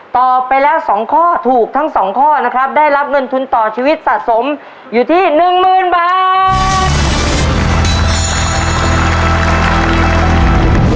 ตอบไปแล้ว๒ข้อถูกทั้งสองข้อนะครับได้รับเงินทุนต่อชีวิตสะสมอยู่ที่หนึ่งหมื่นบาท